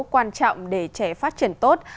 quan trọng để trẻ phát triển tốt